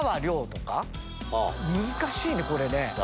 難しいねこれね。